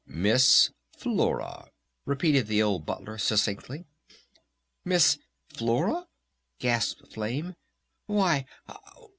"Miss Flora!" repeated the old Butler succinctly. "Miss Flora?" gasped Flame. "Why....